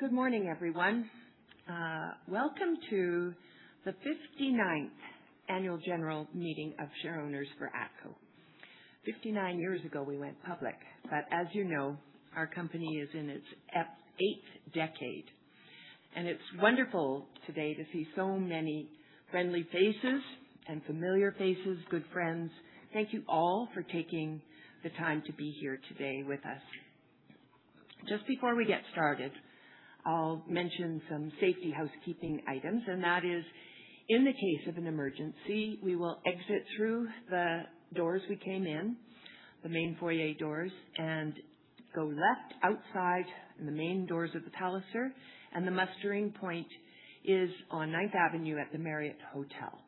Good morning, everyone. Welcome to the 59th annual general meeting of shareowners for ATCO. 59 years ago, we went public, but as you know, our company is in its 8th decade, and it's wonderful today to see so many friendly faces and familiar faces, good friends. Thank you all for taking the time to be here today with us. Just before we get started, I'll mention some safety housekeeping items, and that is in the case of an emergency, we will exit through the doors we came in, the main foyer doors, and go left outside in the main doors of The Palliser, and the mustering point is on 9th Avenue at the Marriott Hotel.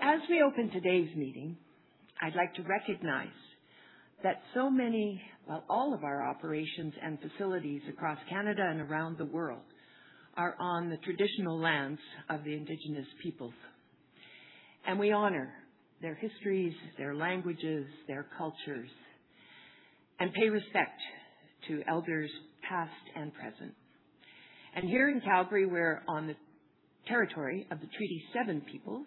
As we open today's meeting, I'd like to recognize that all of our operations and facilities across Canada and around the world are on the traditional lands of the Indigenous Peoples. We honor their histories, their languages, their cultures, and pay respect to Elders past and present. Here in Calgary, we're on the territory of the Treaty 7 peoples,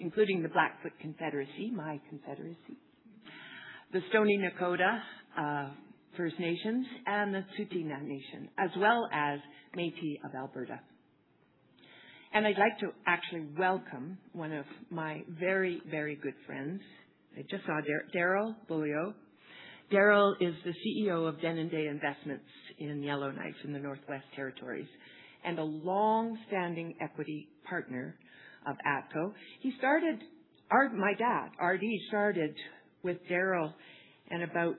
including the Blackfoot Confederacy, my confederacy, the Stoney Nakoda First Nations, and the Tsuut'ina Nation, as well as Métis of Alberta. I'd like to actually welcome one of my very, very good friends. I just saw Darrell Beaulieu. Darrell is the CEO of Denendeh Investments in Yellowknife in the Northwest Territories and a longstanding equity partner of ATCO. My dad, R.D., started with Darrell and about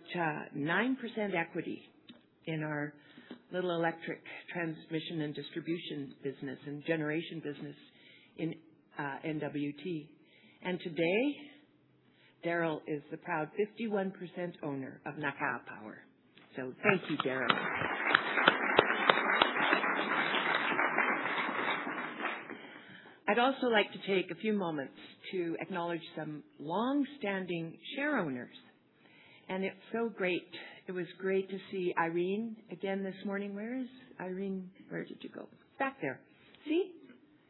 9% equity in our little electric transmission and distribution business and generation business in NWT. Today, Darrell is the proud 51% owner of Naka Power. Thank you, Darrell. I'd also like to take a few moments to acknowledge some longstanding shareowners. It's so great. It was great to see Irene again this morning. Where is Irene? Where did you go? Back there. See.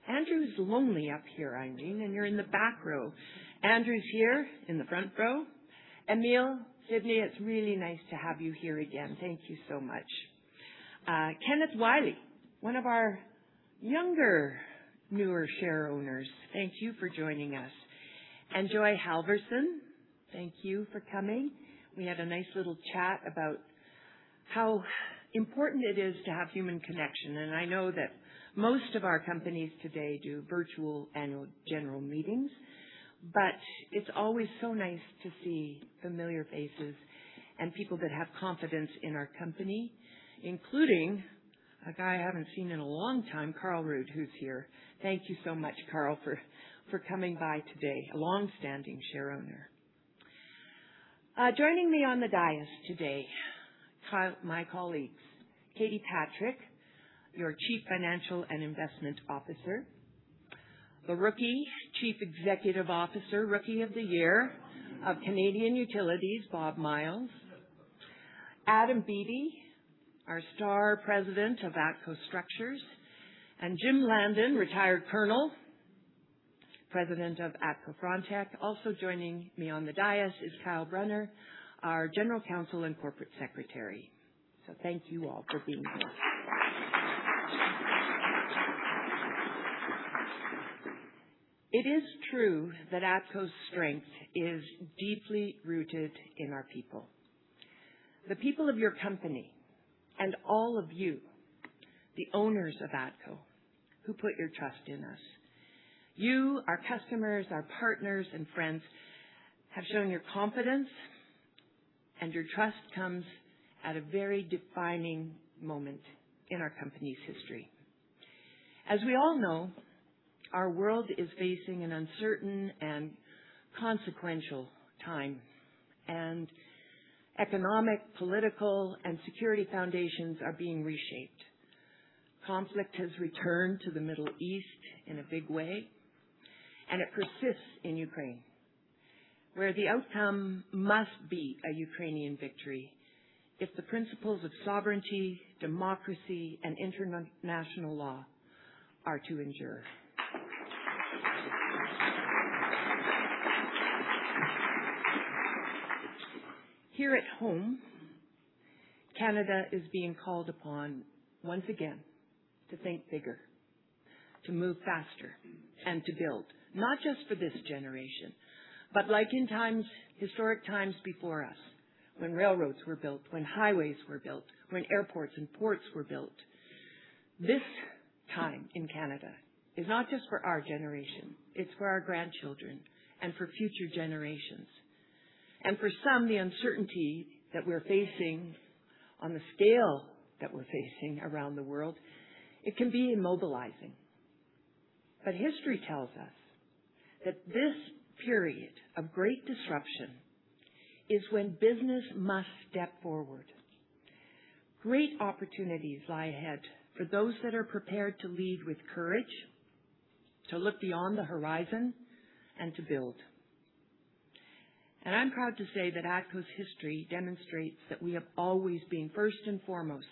Andrew's lonely up here, Irene, and you're in the back row. Andrew's here in the front row. Emil Sydney, it's really nice to have you here again. Thank you so much. Kenneth Wiley, one of our younger, newer shareowners, thank you for joining us. Joy Halverson, thank you for coming. We had a nice little chat about how important it is to have human connection. I know that most of our companies today do virtual annual general meetings. It's always so nice to see familiar faces and people that have confidence in our company, including a guy I haven't seen in a long time, Carl Rud, who's here. Thank you so much, Carl, for coming by today. A longstanding shareowner. Joining me on the dais today, my colleagues, Katie Patrick, your Chief Financial and Investment Officer. The rookie Chief Executive Officer, rookie of the year of Canadian Utilities, Bob Myles. Adam Beattie, our star President of ATCO Structures, and Jim Landon, retired colonel, President of ATCO Frontec. Also joining me on the dais is Kyle Brunner, our General Counsel and Corporate Secretary. Thank you all for being here. It is true that ATCO's strength is deeply rooted in our people. The people of your company and all of you, the owners of ATCO, who put your trust in us. You, our customers, our partners and friends have shown your confidence and your trust comes at a very defining moment in our company's history. As we all know, our world is facing an uncertain and consequential time, and economic, political, and security foundations are being reshaped. Conflict has returned to the Middle East in a big way, and it persists in Ukraine, where the outcome must be a Ukrainian victory if the principles of sovereignty, democracy, and international law are to endure. Here at home, Canada is being called upon once again to think bigger, to move faster, and to build, not just for this generation, but like in times, historic times before us, when railroads were built, when highways were built, when airports and ports were built. This time in Canada is not just for our generation, it's for our grandchildren and for future generations. For some, the uncertainty that we're facing on the scale that we're facing around the world, it can be immobilizing. History tells us that this period of great disruption is when business must step forward. Great opportunities lie ahead for those that are prepared to lead with courage, to look beyond the horizon, and to build. I'm proud to say that ATCO's history demonstrates that we have always been first and foremost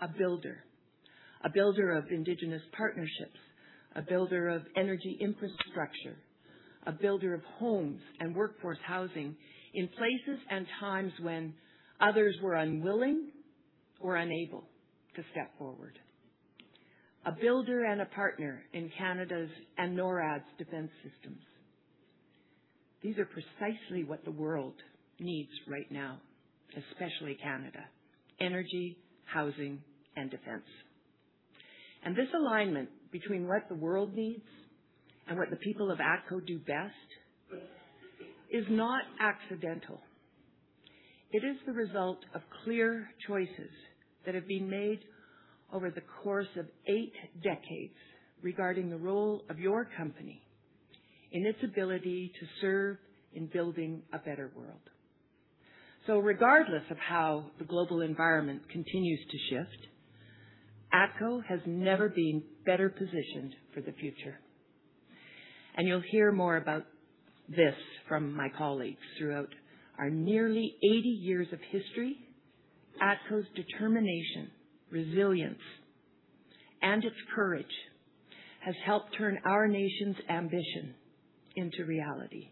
a builder. A builder of indigenous partnerships, a builder of energy infrastructure, a builder of homes and workforce housing in places and times when others were unwilling or unable to step forward. A builder and a partner in Canada's and NORAD's defense systems. These are precisely what the world needs right now, especially Canada: energy, housing, and defense. This alignment between what the world needs and what the people of ATCO do best is not accidental. It is the result of clear choices that have been made over the course of eight decades regarding the role of your company and its ability to serve in building a better world. Regardless of how the global environment continues to shift, ATCO has never been better positioned for the future. You'll hear more about this from my colleagues throughout our nearly 80 years of history. ATCO's determination, resilience, and its courage has helped turn our nation's ambition into reality.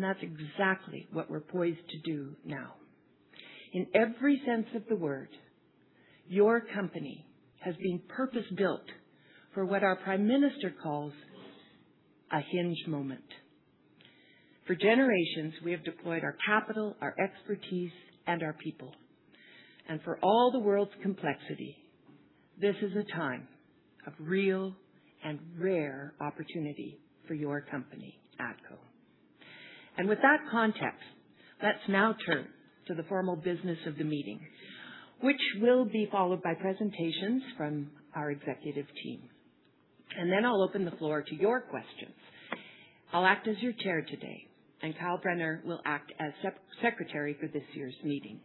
That's exactly what we're poised to do now. In every sense of the word, your company has been purpose-built for what our prime minister calls a hinge moment. For generations, we have deployed our capital, our expertise, and our people. For all the world's complexity, this is a time of real and rare opportunity for your company, ATCO. With that context, let's now turn to the formal business of the meeting, which will be followed by presentations from our executive team. Then I'll open the floor to your questions. I'll act as your chair today, and Kyle Brunner will act as secretary for this year's meeting.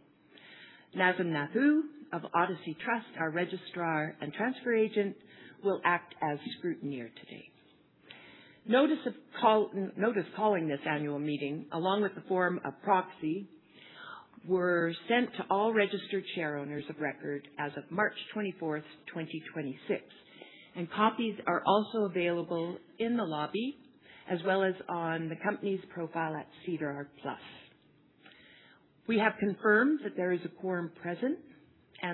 Nazim Nathoo of Odyssey Trust, our registrar and transfer agent, will act as scrutineer today. Notice calling this annual meeting, along with the form of proxy, were sent to all registered share owners of record as of March 24th, 2026. Copies are also available in the lobby as well as on the company's profile at SEDAR+. We have confirmed that there is a quorum present.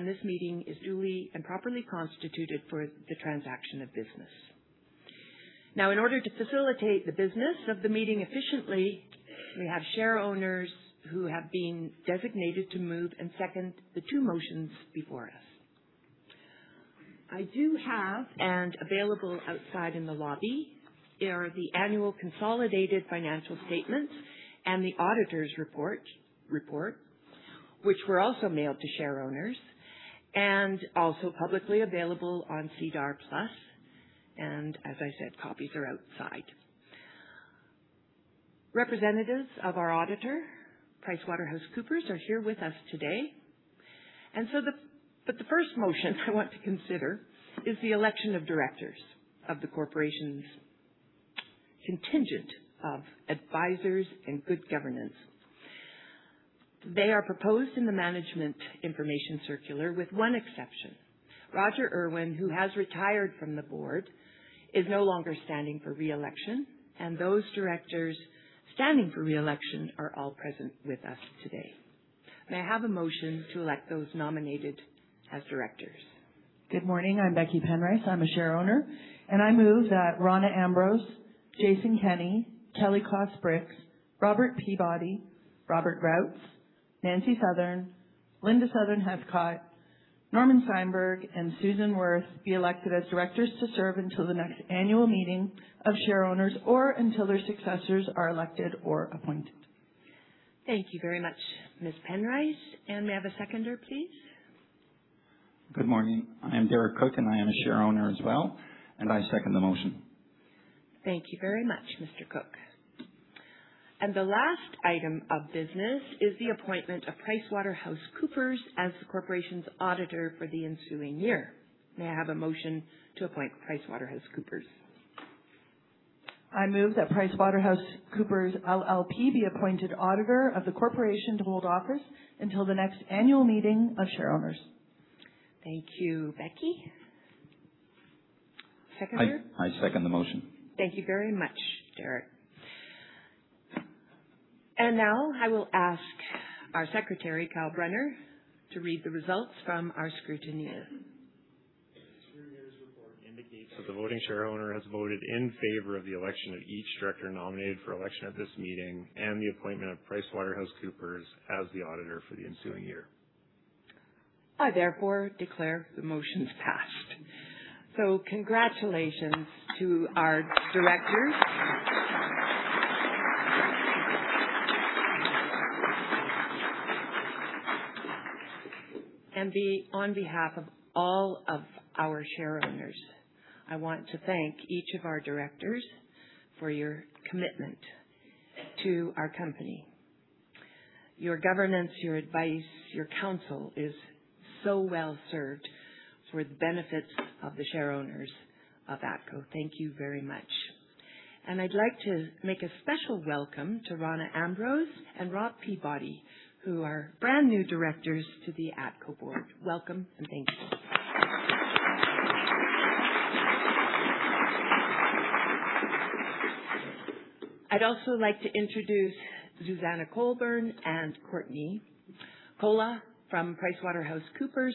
This meeting is duly and properly constituted for the transaction of business. In order to facilitate the business of the meeting efficiently, we have share owners who have been designated to move and second the two motions before us. I do have, available outside in the lobby, are the annual consolidated financial statements and the auditor's report, which were also mailed to share owners and publicly available on SEDAR+. As I said, copies are outside. Representatives of our auditor, PricewaterhouseCoopers, are here with us today. The first motion I want to consider is the election of directors of the corporation's contingent of advisors and good governance. They are proposed in the management information circular with one exception. Roger Urwin, who has retired from the board, is no longer standing for re-election, and those directors standing for re-election are all present with us today. May I have a motion to elect those nominated as directors? Good morning. I'm Becky Penrice. I'm a share owner. I move that Rona Ambrose, Jason Kenney, Kelly Koss-Brix, Robert Peabody, Robert Routs, Nancy Southern, Linda Southern-Heathcott, Norman Steinberg, and Susan Werth be elected as directors to serve until the next annual meeting of share owners or until their successors are elected or appointed. Thank you very much, Ms. Penrice. May I have a seconder, please? Good morning. I am Derek Cook, and I am a share owner as well, and I second the motion. Thank you very much, Mr. Cook. The last item of business is the appointment of PricewaterhouseCoopers as the corporation's auditor for the ensuing year. May I have a motion to appoint PricewaterhouseCoopers? I move that PricewaterhouseCoopers LLP be appointed auditor of the corporation to hold office until the next annual meeting of share owners. Thank you, Becky. Seconder? I second the motion. Thank you very much, Derek. Now I will ask our Secretary, Kyle Brunner, to read the results from our scrutineer. Scrutineer's report indicates that the voting share owner has voted in favor of the election of each director nominated for election at this meeting and the appointment of PricewaterhouseCoopers as the auditor for the ensuing year. I therefore declare the motions passed. Congratulations to our directors. On behalf of all of our shareowners, I want to thank each of our directors for your commitment to our company. Your governance, your advice, your counsel is so well served for the benefits of the shareowners of ATCO. Thank you very much. I'd like to make a special welcome to Rona Ambrose and Robert Peabody, who are brand new directors to the ATCO board. Welcome, and thank you. I'd also like to introduce Zuzana Colborne and Courtney Kolla from PricewaterhouseCoopers,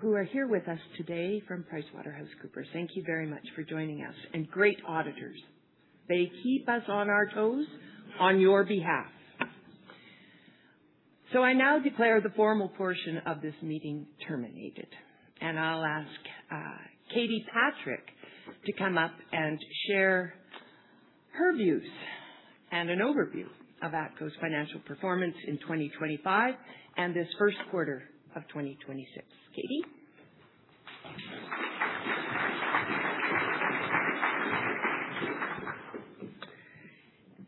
who are here with us today from PricewaterhouseCoopers. Thank you very much for joining us. Great auditors. They keep us on our toes on your behalf. I now declare the formal portion of this meeting terminated. I'll ask Katie Patrick to come up and share her views and an overview of ATCO's financial performance in 2025 and this first quarter of 2026. Katie?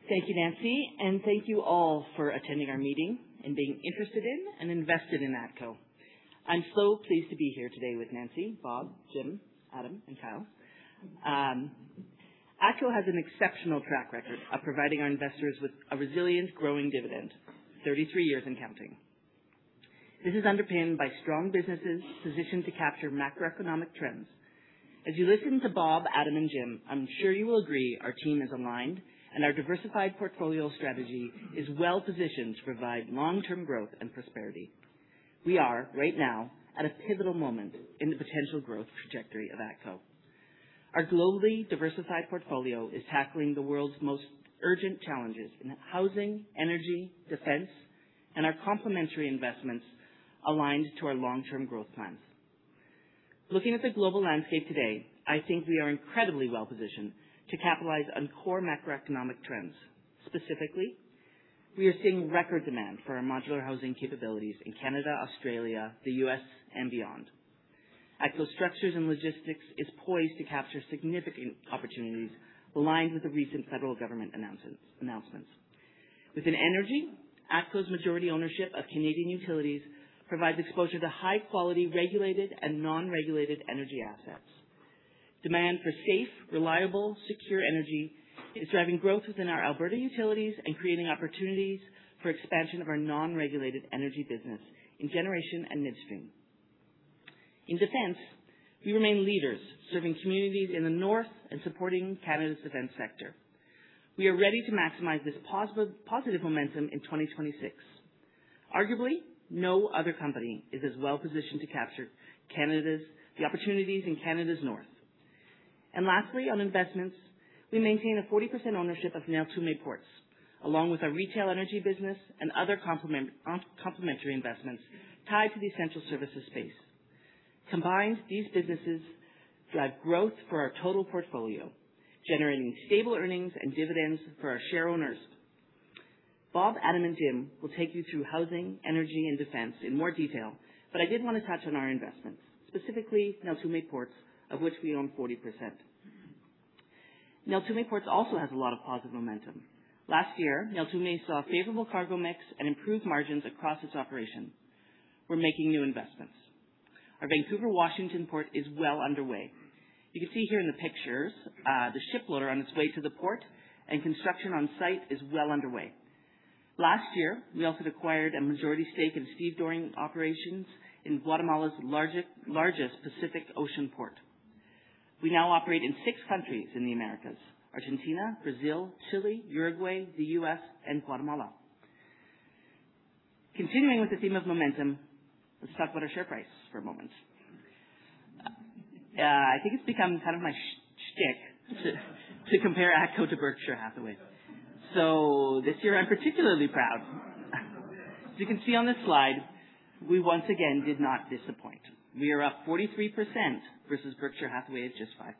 Thank you, Nancy. Thank you all for attending our meeting and being interested in and invested in ATCO. I'm so pleased to be here today with Nancy, Bob, Jim, Adam, and Kyle. ATCO has an exceptional track record of providing our investors with a resilient, growing dividend, 33 years and counting. This is underpinned by strong businesses positioned to capture macroeconomic trends. As you listen to Bob, Adam, and Jim, I'm sure you will agree our team is aligned and our diversified portfolio strategy is well-positioned to provide long-term growth and prosperity. We are right now at a pivotal moment in the potential growth trajectory of ATCO. Our globally diversified portfolio is tackling the world's most urgent challenges in housing, energy, defense, and our complementary investments aligned to our long-term growth plans. Looking at the global landscape today, I think we are incredibly well-positioned to capitalize on core macroeconomic trends. Specifically, we are seeing record demand for our modular housing capabilities in Canada, Australia, the U.S., and beyond. ATCO Structures & Logistics is poised to capture significant opportunities aligned with the recent federal government announcements. Within energy, ATCO's majority ownership of Canadian Utilities provides exposure to high-quality regulated and non-regulated energy assets. Demand for safe, reliable, secure energy is driving growth within our Alberta utilities and creating opportunities for expansion of our non-regulated energy business in generation and midstream. In defense, we remain leaders, serving communities in the north and supporting Canada's defense sector. We are ready to maximize this positive momentum in 2026. Arguably, no other company is as well-positioned to capture Canada's opportunities in Canada's north. Lastly, on investments, we maintain a 40% ownership of Neltume Ports, along with our retail energy business and other complementary investments tied to the essential services space. Combined, these businesses drive growth for our total portfolio, generating stable earnings and dividends for our shareowners. Bob, Adam, and Jim will take you through housing, energy, and defense in more detail, I did wanna touch on our investments, specifically Neltume Ports, of which we own 40%. Neltume Ports also has a lot of positive momentum. Last year, Neltume saw a favorable cargo mix and improved margins across its operations. We're making new investments. Our Vancouver, Washington port is well underway. You can see here in the pictures, the ship loader on its way to the port and construction on site is well underway. Last year, we also acquired a majority stake in stevedoring operations in Guatemala's largest Pacific Ocean port. We now operate in six countries in the Americas: Argentina, Brazil, Chile, Uruguay, the U.S., and Guatemala. Continuing with the theme of momentum, let's talk about our share price for a moment. I think it's become kind of my schtick to compare ATCO to Berkshire Hathaway. This year I'm particularly proud. As you can see on this slide, we once again did not disappoint. We are up 43% versus Berkshire Hathaway at just 5%.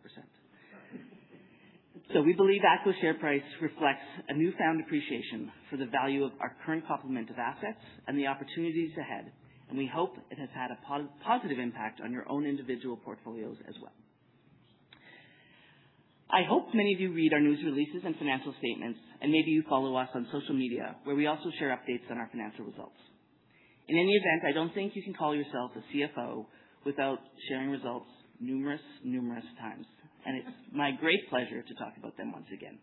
We believe ATCO share price reflects a newfound appreciation for the value of our current complement of assets and the opportunities ahead, and we hope it has had a positive impact on your own individual portfolios as well. I hope many of you read our news releases and financial statements, and maybe you follow us on social media, where we also share updates on our financial results. In any event, I don't think you can call yourself a CFO without sharing results numerous times, and it's my great pleasure to talk about them once again.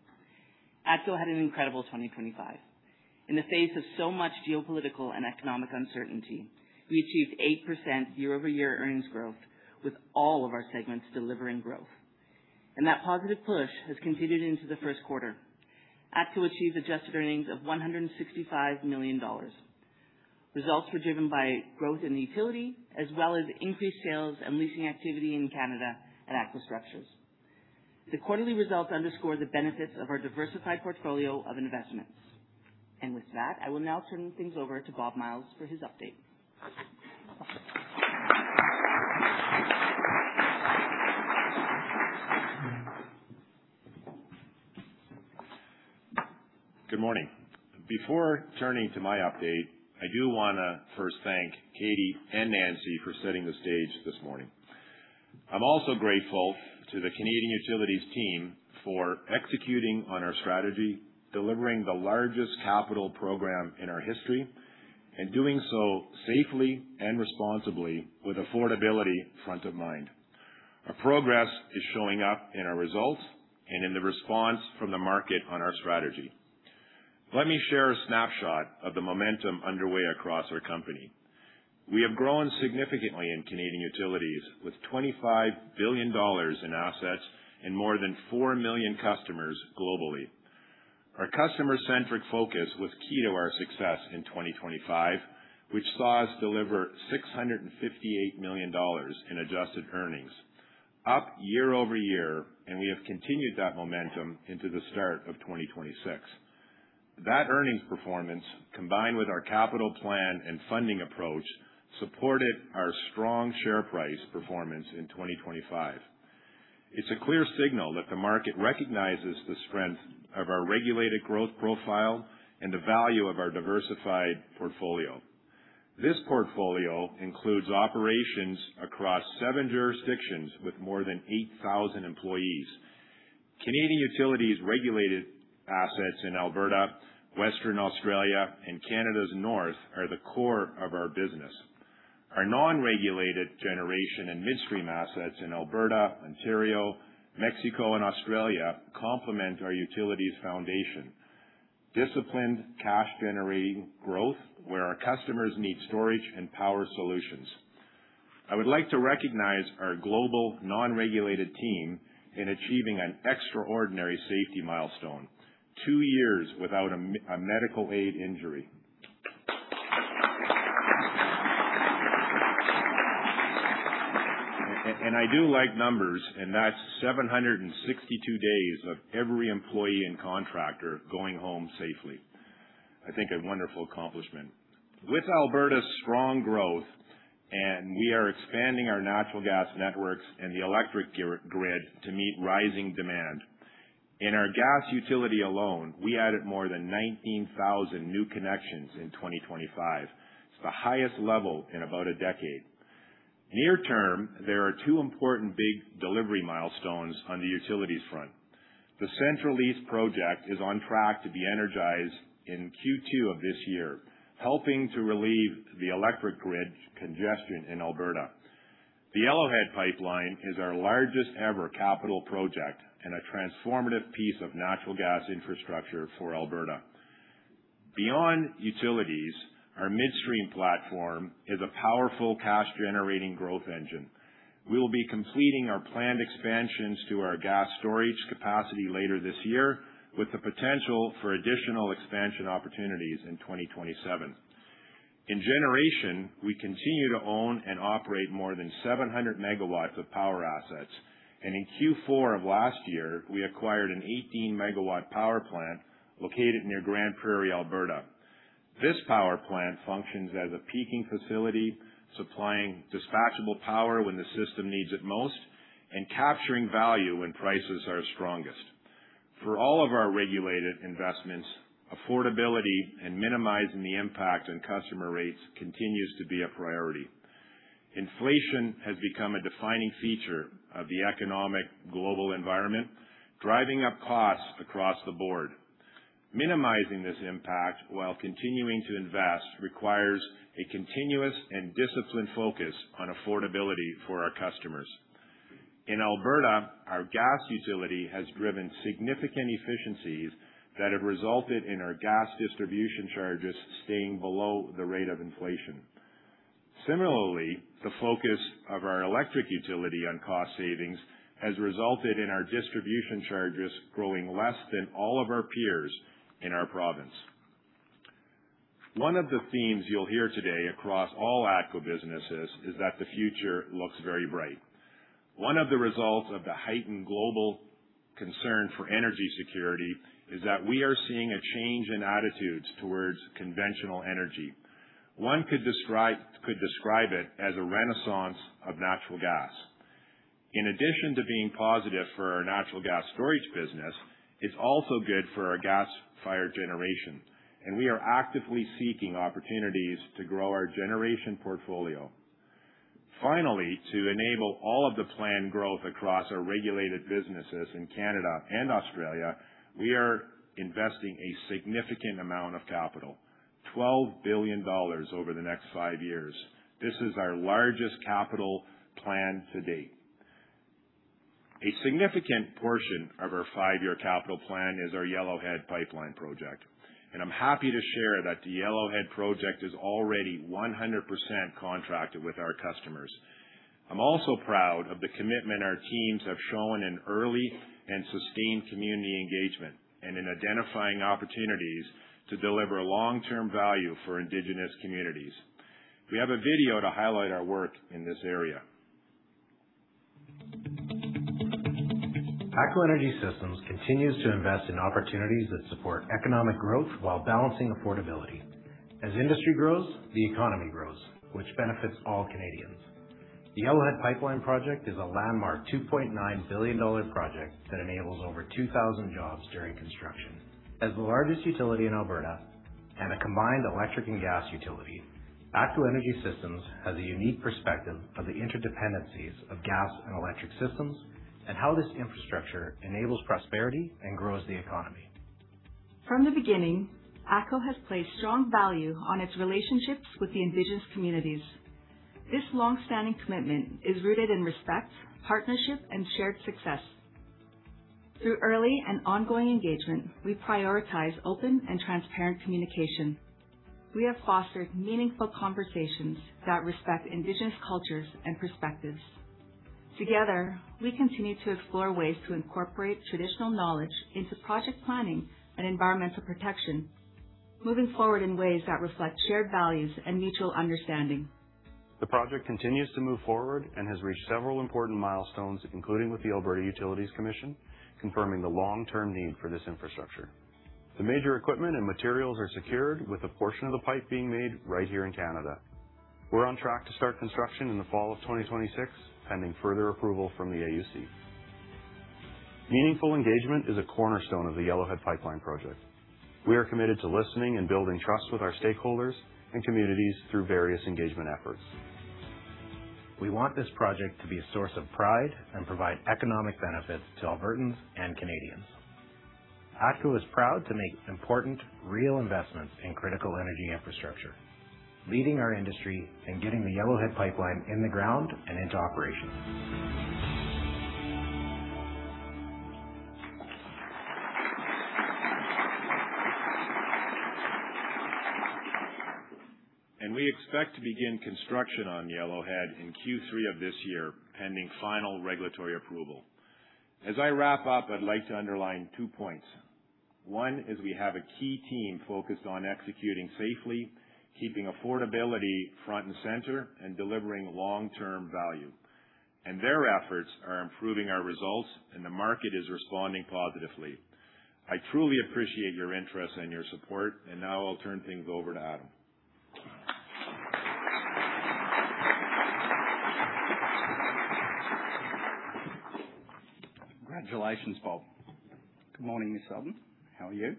ATCO had an incredible 2025. In the face of so much geopolitical and economic uncertainty, we achieved 8% year-over-year earnings growth with all of our segments delivering growth. That positive push has continued into the first quarter. ATCO achieved adjusted earnings of 165 million dollars. Results were driven by growth in utility as well as increased sales and leasing activity in Canada at ATCO Structures. The quarterly results underscore the benefits of our diversified portfolio of investments. With that, I will now turn things over to Bob Myles for his update. Good morning. Before turning to my update, I do wanna first thank Katie and Nancy for setting the stage this morning. I'm also grateful to the Canadian Utilities team for executing on our strategy, delivering the largest capital program in our history, and doing so safely and responsibly with affordability front of mind. Our progress is showing up in our results and in the response from the market on our strategy. Let me share a snapshot of the momentum underway across our company. We have grown significantly in Canadian Utilities with 25 billion dollars in assets and more than 4 million customers globally. Our customer-centric focus was key to our success in 2025, which saw us deliver 658 million dollars in adjusted earnings, up year-over-year, and we have continued that momentum into the start of 2026. That earnings performance, combined with our capital plan and funding approach, supported our strong share price performance in 2025. It's a clear signal that the market recognizes the strength of our regulated growth profile and the value of our diversified portfolio. This portfolio includes operations across seven jurisdictions with more than 8,000 employees. Canadian Utilities regulated assets in Alberta, Western Australia, and Canada's North are the core of our business. Our non-regulated generation and midstream assets in Alberta, Ontario, Mexico, and Australia complement our utilities foundation. Disciplined cash-generating growth where our customers need storage and power solutions. I would like to recognize our global non-regulated team in achieving an extraordinary safety milestone, two years without a medical aid injury. I do like numbers, and that's 762 days of every employee and contractor going home safely. I think a wonderful accomplishment. With Alberta's strong growth, we are expanding our natural gas networks and the electric grid to meet rising demand. In our gas utility alone, we added more than 19,000 new connections in 2025. It's the highest level in about a decade. Near term, there are two important big delivery milestones on the utilities front. The Central East project is on track to be energized in Q2 of this year, helping to relieve the electric grid congestion in Alberta. The Yellowhead Pipeline is our largest ever capital project and a transformative piece of natural gas infrastructure for Alberta. Beyond utilities, our midstream platform is a powerful cash-generating growth engine. We'll be completing our planned expansions to our gas storage capacity later this year, with the potential for additional expansion opportunities in 2027. In generation, we continue to own and operate more than 700 MW of power assets. In Q4 of last year, we acquired an 18 MW power plant located near Grande Prairie, Alberta. This power plant functions as a peaking facility, supplying dispatchable power when the system needs it most and capturing value when prices are strongest. For all of our regulated investments, affordability and minimizing the impact on customer rates continues to be a priority. Inflation has become a defining feature of the economic global environment, driving up costs across the board. Minimizing this impact while continuing to invest requires a continuous and disciplined focus on affordability for our customers. In Alberta, our gas utility has driven significant efficiencies that have resulted in our gas distribution charges staying below the rate of inflation. Similarly, the focus of our electric utility on cost savings has resulted in our distribution charges growing less than all of our peers in our province. One of the themes you'll hear today across all ATCO businesses is that the future looks very bright. One of the results of the heightened global concern for energy security is that we are seeing a change in attitudes towards conventional energy. One could describe it as a renaissance of natural gas. In addition to being positive for our natural gas storage business, it's also good for our gas-fired generation, and we are actively seeking opportunities to grow our generation portfolio. Finally, to enable all of the planned growth across our regulated businesses in Canada and Australia, we are investing a significant amount of capital, 12 billion dollars over the next five years. This is our largest capital plan to date. A significant portion of our five-year capital plan is our Yellowhead Pipeline project, and I'm happy to share that the Yellowhead project is already 100% contracted with our customers. I'm also proud of the commitment our teams have shown in early and sustained community engagement and in identifying opportunities to deliver long-term value for indigenous communities. We have a video to highlight our work in this area. ATCO Energy Systems continues to invest in opportunities that support economic growth while balancing affordability. As industry grows, the economy grows, which benefits all Canadians. The Yellowhead Pipeline project is a landmark 2.9 billion dollar project that enables over 2,000 jobs during construction. As the largest utility in Alberta and a combined electric and gas utility. ATCO Energy Systems has a unique perspective of the interdependencies of gas and electric systems and how this infrastructure enables prosperity and grows the economy. From the beginning, ATCO has placed strong value on its relationships with the Indigenous communities. This long-standing commitment is rooted in respect, partnership and shared success. Through early and ongoing engagement, we prioritize open and transparent communication. We have fostered meaningful conversations that respect Indigenous cultures and perspectives. Together, we continue to explore ways to incorporate traditional knowledge into project planning and environmental protection, moving forward in ways that reflect shared values and mutual understanding. The project continues to move forward and has reached several important milestones, including with the Alberta Utilities Commission, confirming the long-term need for this infrastructure. The major equipment and materials are secured with a portion of the pipe being made right here in Canada. We are on track to start construction in the fall of 2026, pending further approval from the AUC. Meaningful engagement is a cornerstone of the Yellowhead Pipeline Project. We are committed to listening and building trust with our stakeholders and communities through various engagement efforts. We want this project to be a source of pride and provide economic benefits to Albertans and Canadians. ATCO is proud to make important, real investments in critical energy infrastructure, leading our industry in getting the Yellowhead pipeline in the ground and into operation. We expect to begin construction on Yellowhead in Q3 of this year, pending final regulatory approval. As I wrap up, I'd like to underline two points. One is we have a key team focused on executing safely, keeping affordability front and center, and delivering long-term value. Their efforts are improving our results, and the market is responding positively. I truly appreciate your interest and your support. Now I'll turn things over to Adam. Congratulations, Bob. Good morning, Ms. Southern. How are you?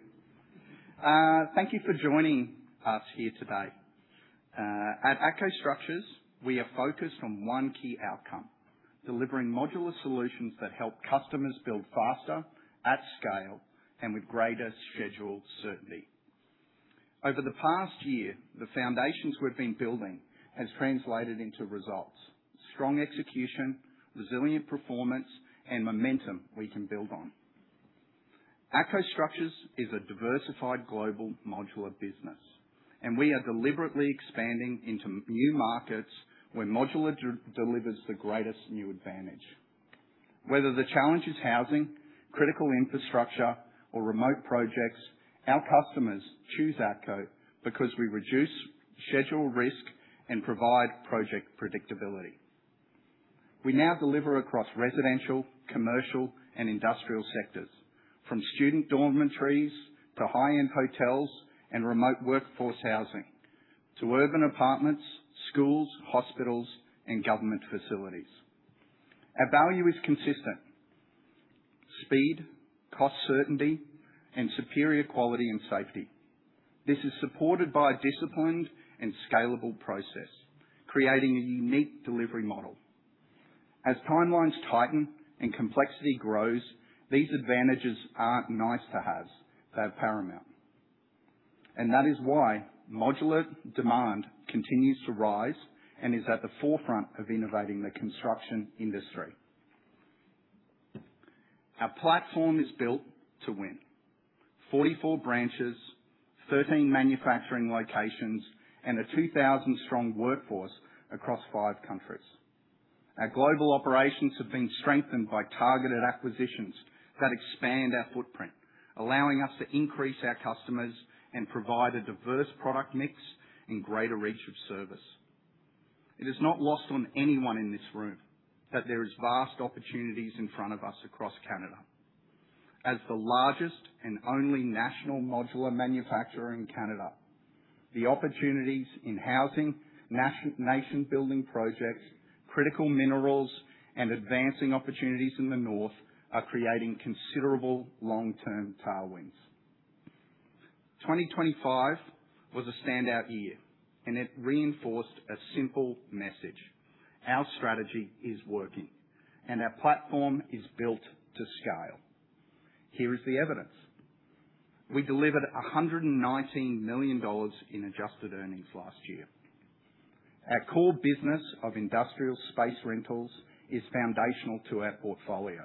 Thank you for joining us here today. At ATCO Structures, we are focused on one key outcome, delivering modular solutions that help customers build faster, at scale, and with greater schedule certainty. Over the past year, the foundations we've been building has translated into results, strong execution, resilient performance, and momentum we can build on. ATCO Structures is a diversified global modular business, we are deliberately expanding into new markets where modular delivers the greatest new advantage. Whether the challenge is housing, critical infrastructure, or remote projects, our customers choose ATCO because we reduce schedule risk and provide project predictability. We now deliver across residential, commercial, and industrial sectors, from student dormitories to high-end hotels and remote workforce housing, to urban apartments, schools, hospitals, and government facilities. Our value is consistent: speed, cost certainty, and superior quality and safety. This is supported by a disciplined and scalable process, creating a unique delivery model. As timelines tighten and complexity grows, these advantages aren't nice to haves, they're paramount. That is why modular demand continues to rise and is at the forefront of innovating the construction industry. Our platform is built to win. 44 branches, 13 manufacturing locations, and a 2,000 strong workforce across five countries. Our global operations have been strengthened by targeted acquisitions that expand our footprint, allowing us to increase our customers and provide a diverse product mix and greater reach of service. It is not lost on anyone in this room that there is vast opportunities in front of us across Canada. As the largest and only national modular manufacturer in Canada, the opportunities in housing, nation building projects, critical minerals, and advancing opportunities in the North are creating considerable long-term tailwinds. 2025 was a standout year, and it reinforced a simple message: Our strategy is working, and our platform is built to scale. Here is the evidence. We delivered 119 million dollars in adjusted earnings last year. Our core business of industrial space rentals is foundational to our portfolio.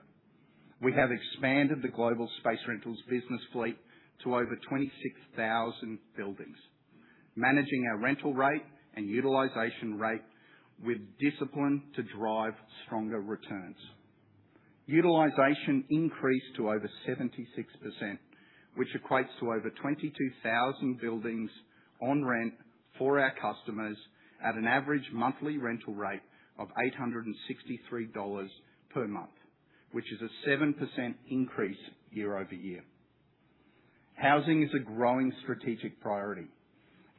We have expanded the global space rentals business fleet to over 26,000 buildings, managing our rental rate and utilization rate with discipline to drive stronger returns. Utilization increased to over 76%, which equates to over 22,000 buildings on rent for our customers at an average monthly rental rate of 863 dollars per month, which is a 7% increase year-over-year. Housing is a growing strategic priority.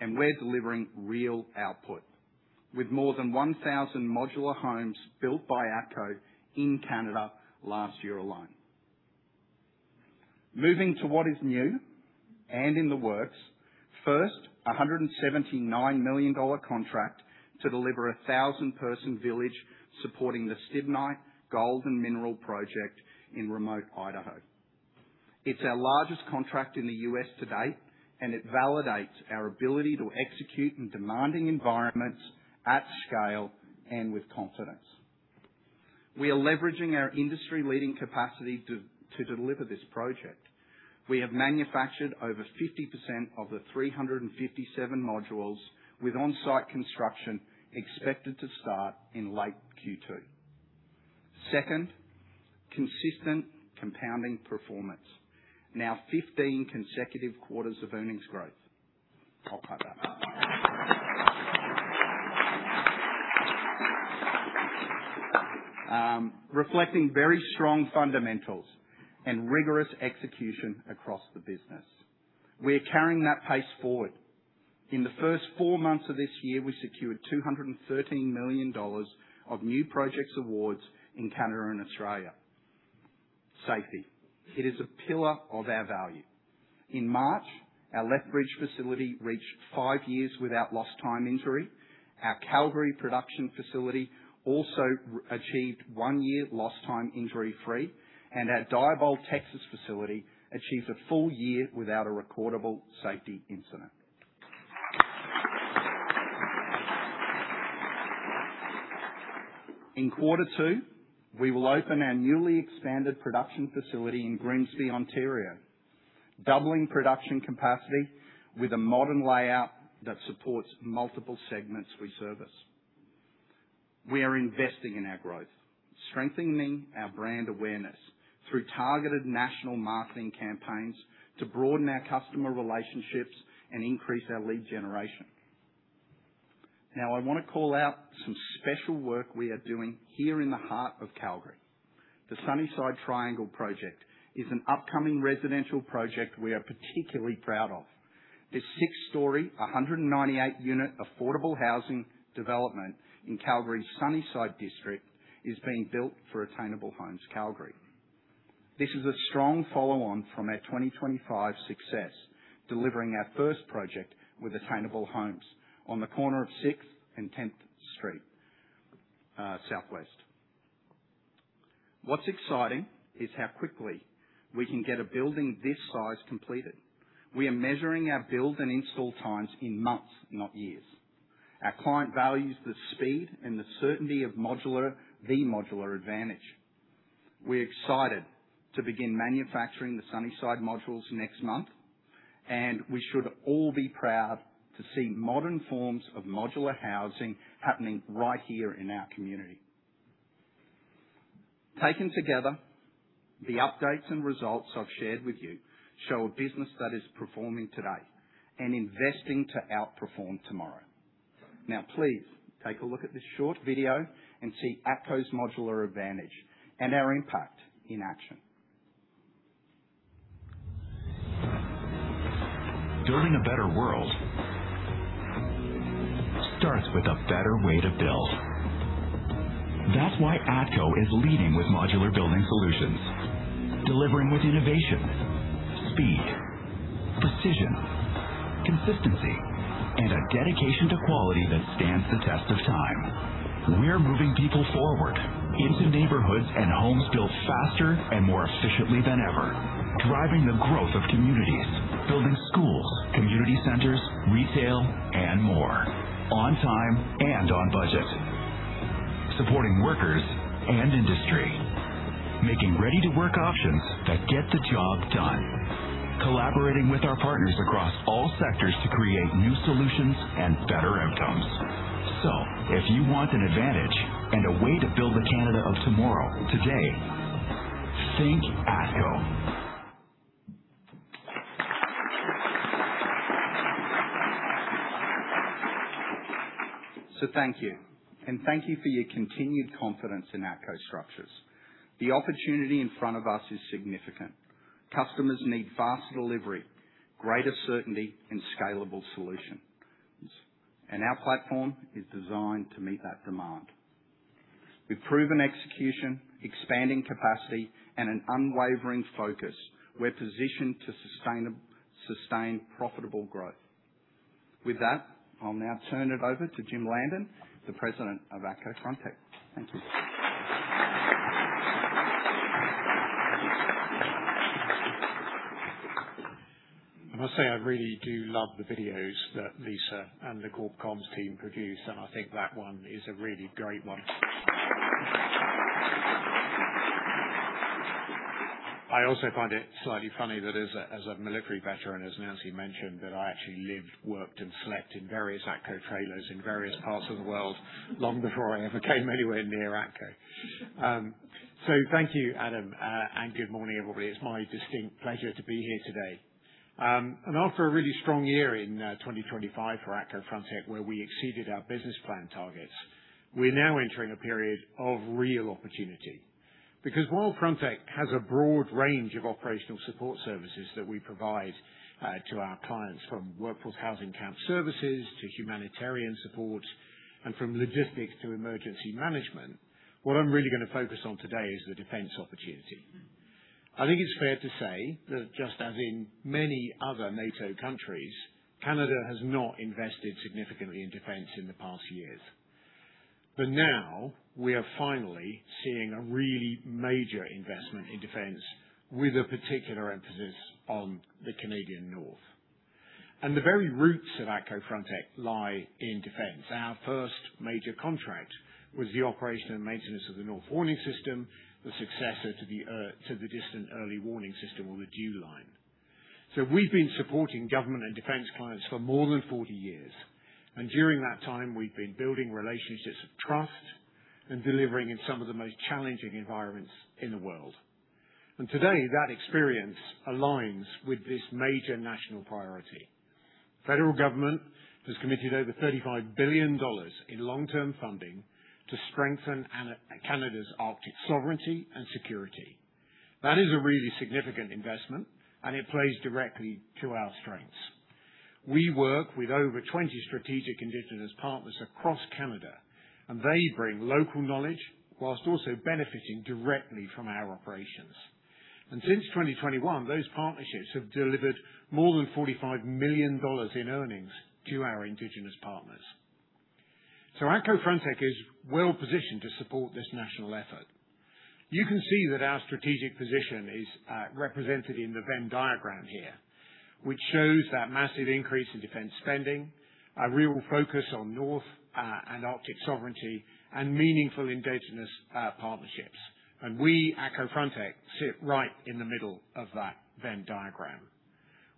We're delivering real output with more than 1,000 modular homes built by ATCO in Canada last year alone. Moving to what is new and in the works. First, a 179 million dollar contract to deliver a 1,000 person village supporting the Stibnite Gold Project in remote Idaho. It's our largest contract in the U.S. to date. It validates our ability to execute in demanding environments at scale and with confidence. We are leveraging our industry leading capacity to deliver this project. We have manufactured over 50% of the 357 modules with on-site construction expected to start in late Q2. Second, consistent compounding performance. Now 15 consecutive quarters of earnings growth. Reflecting very strong fundamentals and rigorous execution across the business. We are carrying that pace forward. In the first four months of this year, we secured 213 million dollars of new projects awards in Canada and Australia. Safety. It is a pillar of our value. In March, our Lethbridge facility reached five years without lost time injury. Our Calgary production facility also achieved one year lost time injury free and our Diboll, Texas facility achieved a full year without a recordable safety incident. In quarter two, we will open our newly expanded production facility in Grimsby, Ontario, doubling production capacity with a modern layout that supports multiple segments we service. We are investing in our growth, strengthening our brand awareness through targeted national marketing campaigns to broaden our customer relationships and increase our lead generation. I want to call out some special work we are doing here in the heart of Calgary. The Sunnyside Triangle Project is an upcoming residential project we are particularly proud of. This six-storey, 198-unit affordable housing development in Calgary's Sunnyside district is being built for Attainable Homes Calgary. This is a strong follow on from our 2025 success, delivering our first project with Attainable Homes on the corner of 6th and 10th Street, S.W. What's exciting is how quickly we can get a building this size completed. We are measuring our build and install times in months, not years. Our client values the speed and the certainty of modular, the modular advantage. We're excited to begin manufacturing the Sunnyside modules next month, and we should all be proud to see modern forms of modular housing happening right here in our community. Taken together, the updates and results I've shared with you show a business that is performing today and investing to outperform tomorrow. Please take a look at this short video and see ATCO's modular advantage and our impact in action. Building a better world starts with a better way to build. That's why ATCO is leading with modular building solutions, delivering with innovation, speed, precision, consistency, and a dedication to quality that stands the test of time. We're moving people forward into neighborhoods and homes built faster and more efficiently than ever. Driving the growth of communities, building schools, community centers, retail, and more on time and on budget. Supporting workers and industry, making ready to work options that get the job done. Collaborating with our partners across all sectors to create new solutions and better outcomes. If you want an advantage and a way to build the Canada of tomorrow today, think ATCO. Thank you, and thank you for your continued confidence in ATCO Structures. The opportunity in front of us is significant. Customers need faster delivery, greater certainty and scalable solutions. Our platform is designed to meet that demand. With proven execution, expanding capacity and an unwavering focus, we're positioned to sustain profitable growth. With that, I'll now turn it over to Jim Landon, the President of ATCO Frontec. Thank you. I must say, I really do love the videos that Lisa and the corp comms team produce. I think that one is a really great one. I also find it slightly funny that as a military veteran, as Nancy mentioned, that I actually lived, worked and slept in various ATCO trailers in various parts of the world long before I ever came anywhere near ATCO. Thank you, Adam. Good morning, everybody. It's my distinct pleasure to be here today. After a really strong year in 2025 for ATCO Frontec, where we exceeded our business plan targets, we're now entering a period of real opportunity. While Frontec has a broad range of operational support services that we provide to our clients, from workforce housing camp services to humanitarian support, and from logistics to emergency management, what I'm really gonna focus on today is the defense opportunity. I think it's fair to say that just as in many other NATO countries, Canada has not invested significantly in defense in the past years. Now we are finally seeing a really major investment in defense with a particular emphasis on the Canadian North. The very roots of ATCO Frontec lie in defense. Our first major contract was the operation and maintenance of the North Warning System, the successor to the to the Distant Early Warning System or the DEW Line. We've been supporting government and defense clients for more than 40 years, and during that time we've been building relationships of trust and delivering in some of the most challenging environments in the world. Today, that experience aligns with this major national priority. Federal government has committed over 35 billion dollars in long-term funding to strengthen Canada's Arctic sovereignty and security. That is a really significant investment, and it plays directly to our strengths. We work with over 20 strategic Indigenous partners across Canada, and they bring local knowledge whilst also benefiting directly from our operations. Since 2021, those partnerships have delivered more than 45 million dollars in earnings to our Indigenous partners. ATCO Frontec is well-positioned to support this national effort. You can see that our strategic position is represented in the Venn diagram here, which shows that massive increase in defense spending, a real focus on North and Arctic sovereignty and meaningful Indigenous partnerships. We, ATCO Frontec, sit right in the middle of that Venn diagram.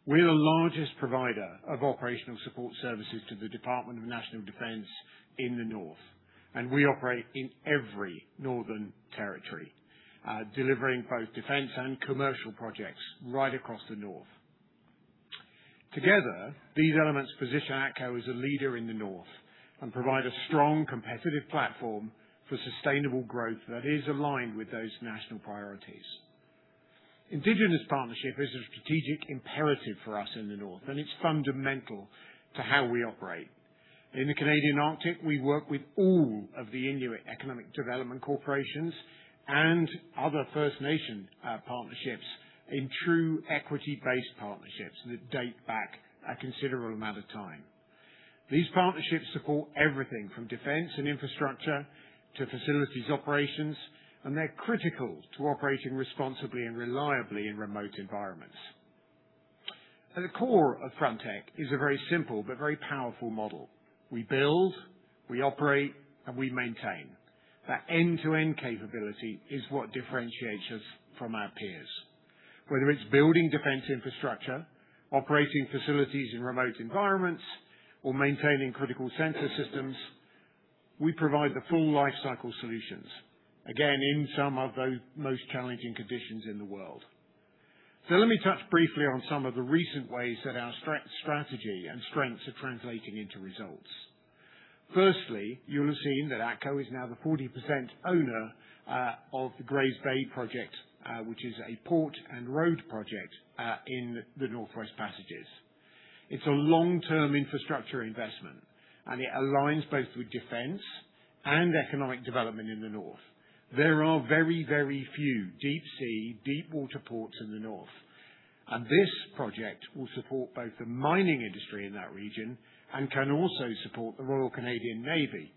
We're the largest provider of operational support services to the Department of National Defence in the North, and we operate in every northern territory, delivering both defense and commercial projects right across the North. Together, these elements position ATCO as a leader in the North and provide a strong competitive platform for sustainable growth that is aligned with those national priorities. Indigenous partnership is a strategic imperative for us in the North, and it's fundamental to how we operate. In the Canadian Arctic, we work with all of the Inuit economic development corporations and other First Nation partnerships in true equity-based partnerships that date back a considerable amount of time. These partnerships support everything from defense and infrastructure to facilities operations, and they're critical to operating responsibly and reliably in remote environments. At the core of Frontec is a very simple but very powerful model. We build, we operate, and we maintain. That end-to-end capability is what differentiates us from our peers. Whether it's building defense infrastructure, operating facilities in remote environments, or maintaining critical sensor systems, we provide the full lifecycle solutions, again, in some of the most challenging conditions in the world. Let me touch briefly on some of the recent ways that our strategy and strengths are translating into results. Firstly, you'll have seen that ATCO is now the 40% owner of the Grays Bay project, which is a port and road project in the Northwest Passages. It's a long-term infrastructure investment, it aligns both with defense and economic development in the North. There are very, very few deep sea, deep water ports in the North, this project will support both the mining industry in that region and can also support the Royal Canadian Navy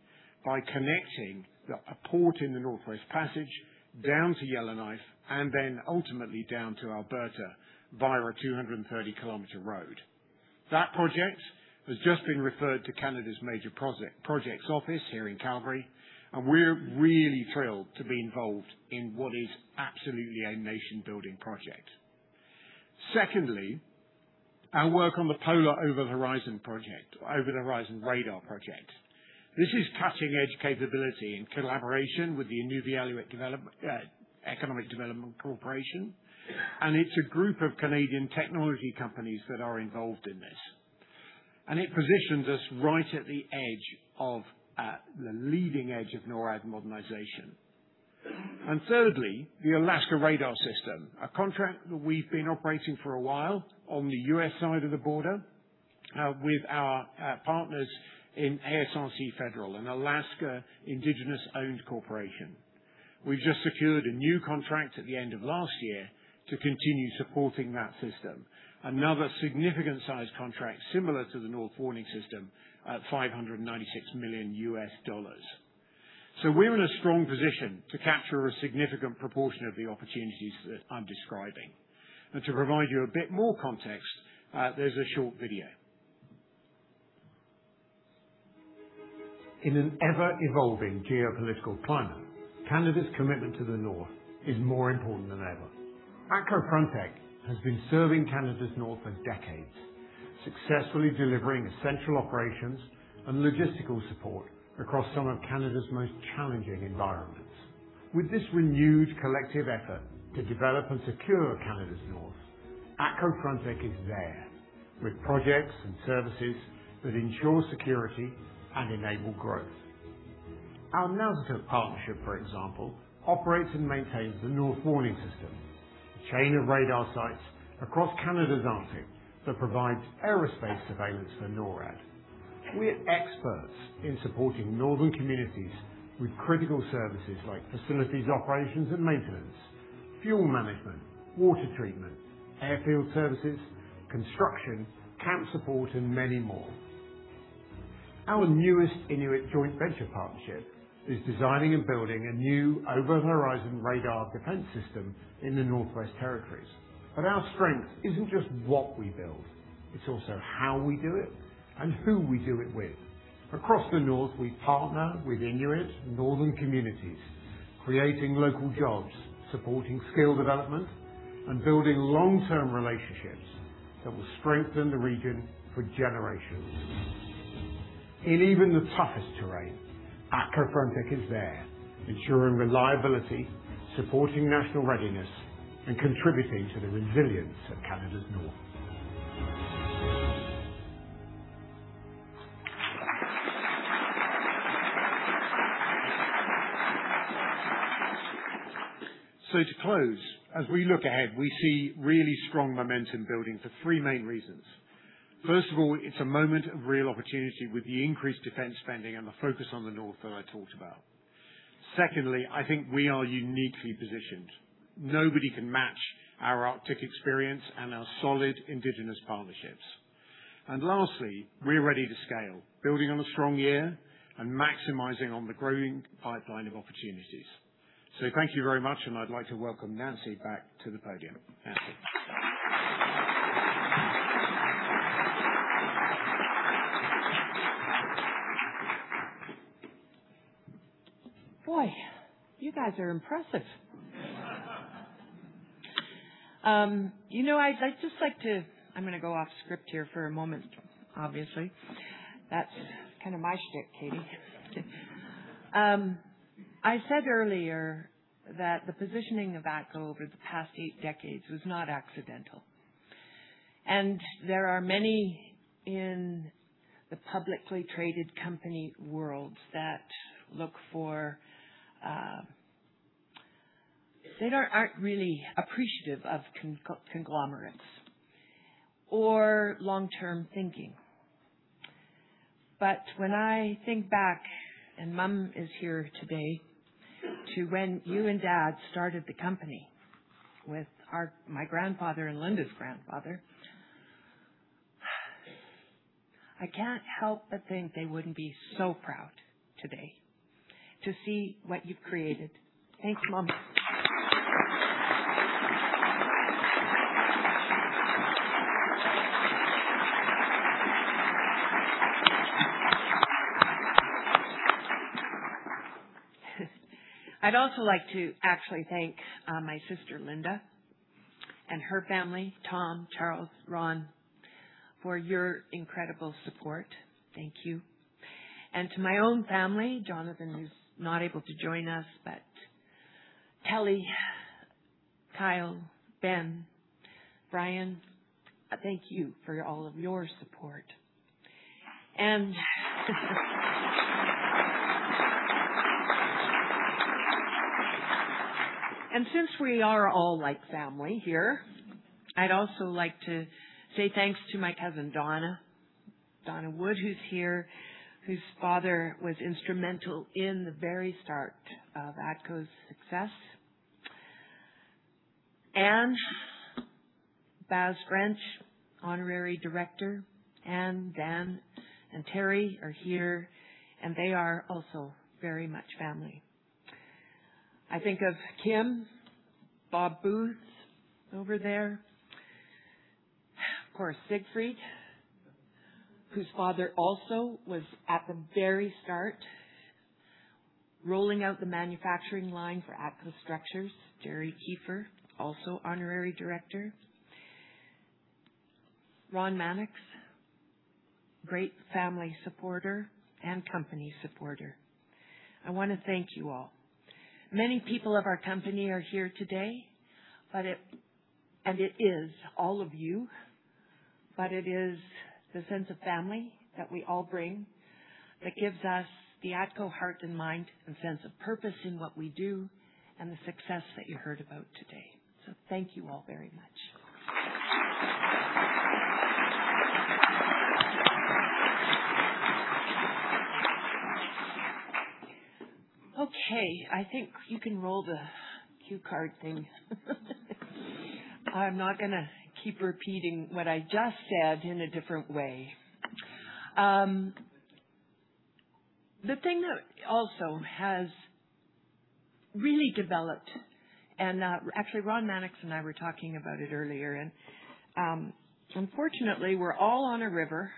by connecting the, a port in the Northwest Passage down to Yellowknife and then ultimately down to Alberta via a 230 km road. That project has just been referred to Canada's major projects office here in Calgary, we're really thrilled to be involved in what is absolutely a nation-building project. Secondly, our work on the Polar Over-the-Horizon project, Over-the-Horizon Radar project. This is cutting-edge capability in collaboration with the Economic Development Corporation. It's a group of Canadian technology companies that are involved in this. It positions us right at the edge of the leading edge of NORAD modernization. Thirdly, the Alaska Radar System, a contract that we've been operating for a while on the U.S. side of the border with our partners in ASRC Federal, an Alaska Indigenous-owned corporation. We've just secured a new contract at the end of last year to continue supporting that system. Another significant sized contract similar to the North Warning System at $596 million. We're in a strong position to capture a significant proportion of the opportunities that I'm describing. To provide you a bit more context, there's a short video. In an ever-evolving geopolitical climate, Canada's commitment to the North is more important than ever. ATCO Frontec has been serving Canada's North for decades, successfully delivering essential operations and logistical support across some of Canada's most challenging environments. With this renewed collective effort to develop and secure Canada's North, ATCO Frontec is there with projects and services that ensure security and enable growth. Our Nunatsiavut partnership, for example, operates and maintains the North Warning System, a chain of radar sites across Canada's Arctic that provides aerospace surveillance for NORAD. We're experts in supporting northern communities with critical services like facilities operations and maintenance, fuel management, water treatment, airfield services, construction, camp support, and many more. Our newest Inuit joint venture partnership is designing and building a new over-the-horizon radar defense system in the Northwest Territories. Our strength isn't just what we build, it's also how we do it and who we do it with. Across the North, we partner with Inuit northern communities, creating local jobs, supporting skill development, and building long-term relationships that will strengthen the region for generations. In even the toughest terrain, ATCO Frontec is there ensuring reliability, supporting national readiness, and contributing to the resilience of Canada's North. To close, as we look ahead, we see really strong momentum building for three main reasons. First of all, it's a moment of real opportunity with the increased defense spending and the focus on the North that I talked about. Secondly, I think we are uniquely positioned. Nobody can match our Arctic experience and our solid Indigenous partnerships. Lastly, we're ready to scale, building on a strong year and maximizing on the growing pipeline of opportunities. Thank you very much, and I'd like to welcome Nancy back to the podium. Nancy. Boy, you guys are impressive. you know, I'd like to I'm gonna go off script here for a moment, obviously. That's kinda my shtick, Katie. I said earlier that the positioning of ATCO over the past eight decades was not accidental. There are many in the publicly traded company worlds that look for, aren't really appreciative of conglomerates or long-term thinking. When I think back, and mom is here today, to when you and dad started the company with my grandfather and Linda's grandfather, I can't help but think they wouldn't be so proud today to see what you've created. Thanks, Mom. I'd also like to actually thank, my sister, Linda, and her family, Tom, Charles, Ron, for your incredible support. Thank you. To my own family, Jonathan, who's not able to join us, but Kelly, Kyle, Ben, Brian, thank you for all of your support. Since we are all like family here, I'd also like to say thanks to my cousin, Donna. Donna Wood, who's here, whose father was instrumental in the very start of ATCO's success. Anne Bastrench, Honorary Director, Anne, Dan, and Terry are here, and they are also very much family. I think of Kim, Bob Booth over there. Of course, Siegfried, whose father also was at the very start, rolling out the manufacturing line for ATCO Structures. Jerry Kiefer, also Honorary Director. Ron Mannix, great family supporter and company supporter. I wanna thank you all. Many people of our company are here today, and it is all of you, but it is the sense of family that we all bring that gives us the ATCO heart and mind and sense of purpose in what we do and the success that you heard about today. Thank you all very much. Okay, I think you can roll the cue card thing. I'm not gonna keep repeating what I just said in a different way. The thing that also has really developed and, actually, Ron Mannix and I were talking about it earlier and, unfortunately, we're all on a river.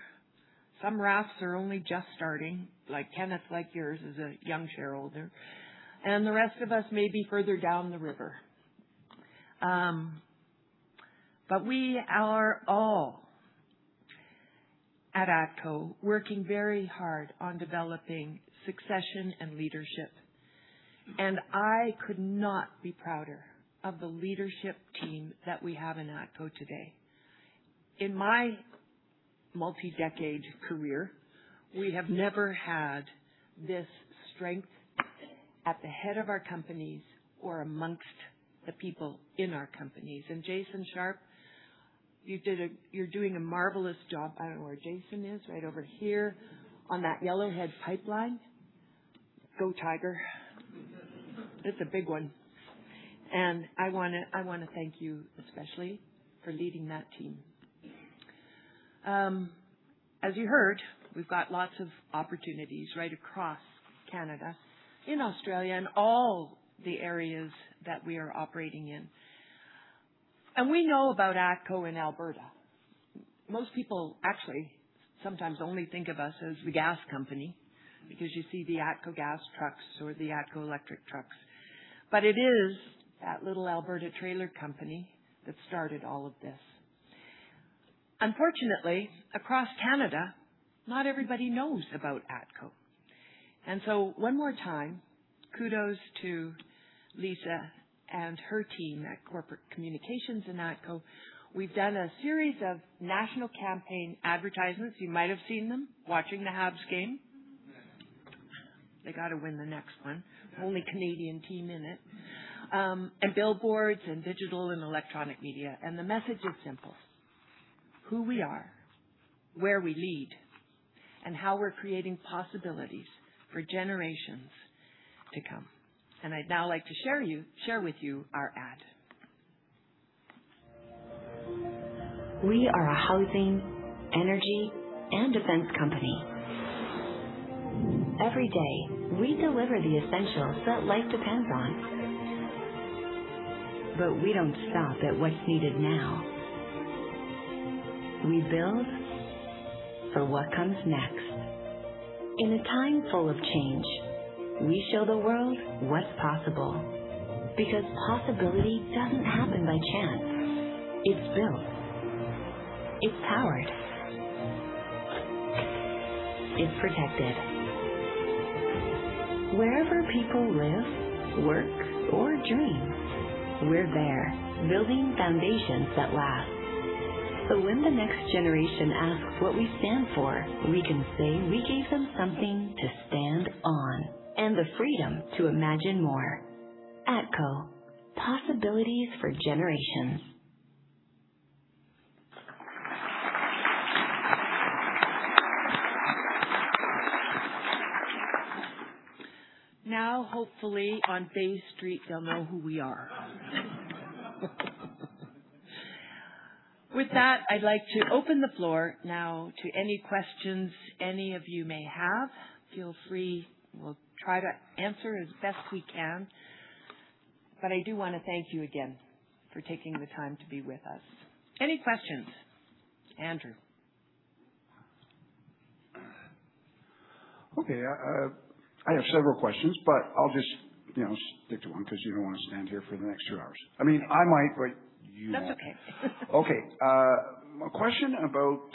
Some rafts are only just starting, like Kenneth, like yours is a young shareholder, and the rest of us may be further down the river. We are all at ATCO working very hard on developing succession and leadership, and I could not be prouder of the leadership team that we have in ATCO today. In my multi-decade career, we have never had this strength at the head of our companies or amongst the people in our companies. Jason Sharpe, you're doing a marvelous job. I don't know where Jason is. Right over here on that Yellowhead Pipeline. Go, tiger. It's a big one. I wanna thank you especially for leading that team. As you heard, we've got lots of opportunities right across Canada, in Australia, and all the areas that we are operating in. We know about ATCO in Alberta. Most people actually sometimes only think of us as the gas company because you see the ATCO Gas trucks or the ATCO Electric trucks. It is that little Alberta trailer company that started all of this. Unfortunately, across Canada, not everybody knows about ATCO. One more time, kudos to Lisa and her team at corporate communications in ATCO. We've done a series of national campaign advertisements. You might have seen them watching the Habs game. They gotta win the next one. Only Canadian team in it. Billboards and digital and electronic media. The message is simple: who we are, where we lead, and how we're creating possibilities for generations to come. I'd now like to share with you our ad. We are a housing, energy, and defense company. Every day, we deliver the essentials that life depends on. We don't stop at what's needed now. We build for what comes next. In a time full of change, we show the world what's possible. Because possibility doesn't happen by chance. It's built, it's powered. It's protected. Wherever people live, work, or dream, we're there, building foundations that last. When the next generation asks what we stand for, we can say we gave them something to stand on and the freedom to imagine more. ATCO, possibilities for generations. Hopefully on Bay Street, they'll know who we are. With that, I'd like to open the floor now to any questions any of you may have. Feel free. We'll try to answer as best we can. I do wanna thank you again for taking the time to be with us. Any questions? Andrew. Okay, I have several questions, but I'll just, you know, stick to one 'cause you don't wanna stand here for the next two hours. That's okay. Okay. A question about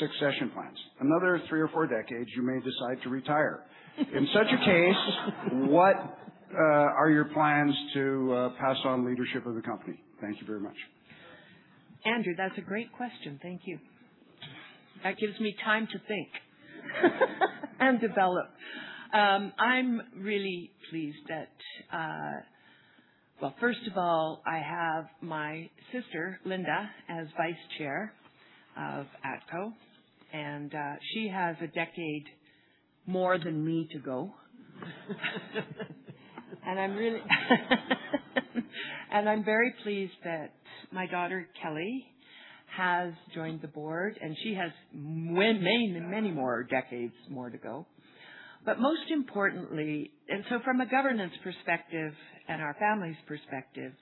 succession plans. Another three or four decades, you may decide to retire. In such a case, what are your plans to pass on leadership of the company? Thank you very much. Andrew, that's a great question. Thank you. That gives me time to think and develop. I'm really pleased that Well, first of all, I have my sister, Linda, as Vice Chair of ATCO, and she has a decade more than me to go. I'm very pleased that my daughter, Kelly, has joined the board, and she has many more decades more to go. Most importantly from a governance perspective and our family's perspective,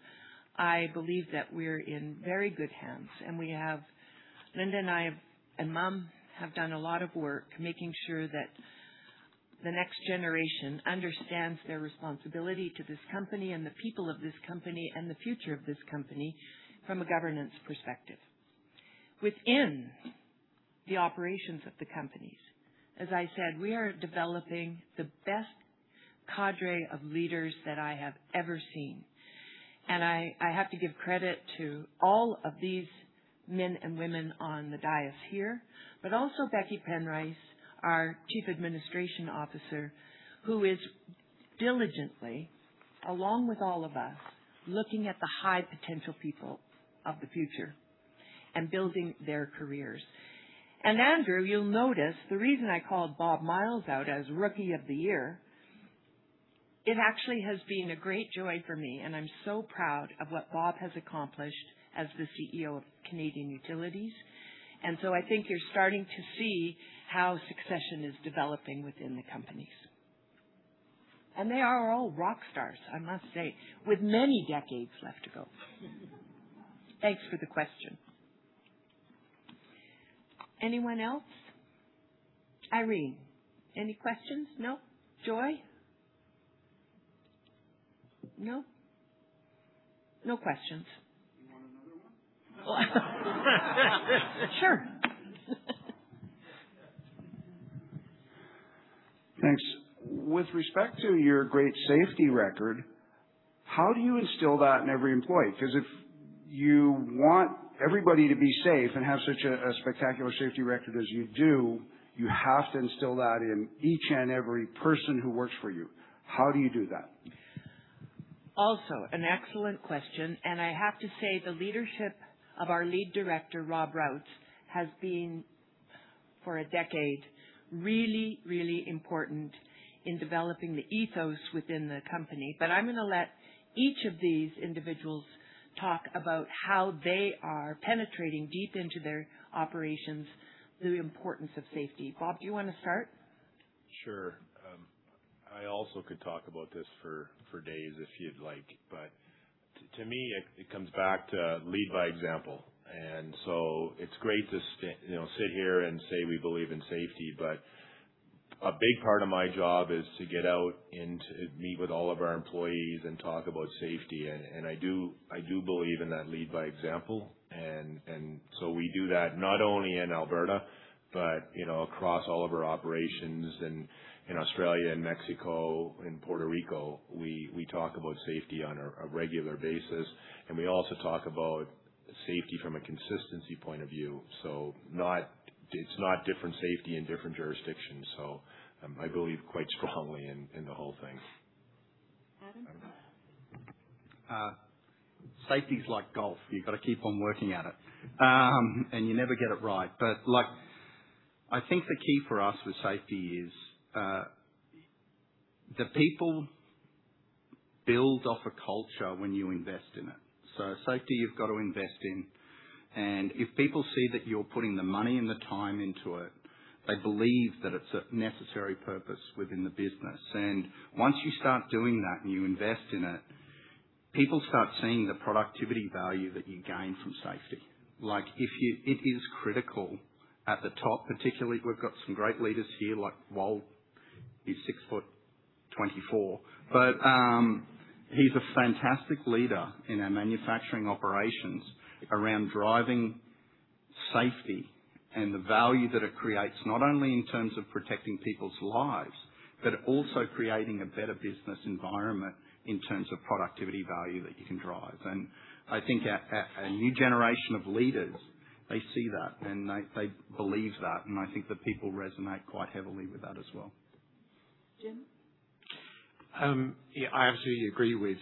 I believe that we're in very good hands, and Linda and I and mom have done a lot of work making sure that the next generation understands their responsibility to this company and the people of this company and the future of this company from a governance perspective. Within the operations of the companies, as I said, we are developing the best cadre of leaders that I have ever seen. I have to give credit to all of these men and women on the dais here, but also Becky Penrice, our Chief Administration Officer, who is diligently, along with all of us, looking at the high potential people of the future and building their careers. Andrew, you'll notice the reason I called Bob Myles out as rookie of the year, it actually has been a great joy for me, and I'm so proud of what Bob has accomplished as the CEO of Canadian Utilities. I think you're starting to see how succession is developing within the companies. They are all rock stars, I must say, with many decades left to go. Thanks for the question. Anyone else? Irene, any questions? No. Joy? No. No questions. You want another one? Sure. Thanks. With respect to your great safety record. How do you instill that in every employee? If you want everybody to be safe and have such a spectacular safety record as you do, you have to instill that in each and every person who works for you. How do you do that? An excellent question. I have to say, the leadership of our lead director, Robert Routs, has been, for a decade, really important in developing the ethos within the company. I'm gonna let each of these individuals talk about how they are penetrating deep into their operations the importance of safety. Bob, do you wanna start? Sure. I also could talk about this for days if you'd like, but to me it comes back to lead by example. It's great to you know, sit here and say we believe in safety, but a big part of my job is to get out and to meet with all of our employees and talk about safety. I do believe in that lead by example. We do that not only in Alberta, but, you know, across all of our operations in Australia and Mexico and Puerto Rico. We talk about safety on a regular basis, and we also talk about safety from a consistency point of view. Not it's not different safety in different jurisdictions. I believe quite strongly in the whole thing. Adam? Safety's like golf. You've gotta keep on working at it, and you never get it right. Like, I think the key for us with safety is, the people build off a culture when you invest in it. Safety, you've got to invest in, and if people see that you're putting the money and the time into it, they believe that it's a necessary purpose within the business. Once you start doing that and you invest in it, people start seeing the productivity value that you gain from safety. Like, it is critical at the top particularly. We've got some great leaders here, like Walt. He's 6 ft 24. He's a fantastic leader in our manufacturing operations around driving safety and the value that it creates, not only in terms of protecting people's lives, but also creating a better business environment in terms of productivity value that you can drive. I think a new generation of leaders, they see that, and they believe that, and I think the people resonate quite heavily with that as well. Jim? Yeah, I absolutely agree with